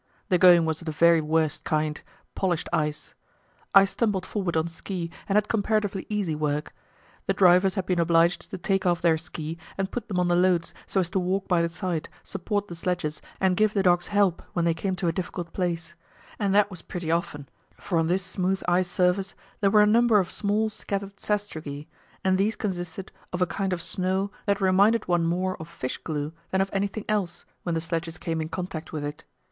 The going was of the very worst kind polished ice. I stumbled forward on ski, and had comparatively easy work. The drivers had been obliged to take off their ski and put them on the loads, so as to walk by the side, support the sledges, and give the dogs help when they came to a difficult place; and that was pretty often, for on this smooth ice surface there were a number of small scattered sastrugi, and these consisted of a kind of snow that reminded one more of fish glue than of anything else when the sledges came in contact with it.